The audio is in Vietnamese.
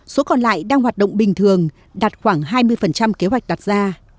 số còn lại đang hoạt động bình thường đạt khoảng hai mươi kế hoạch đặt ra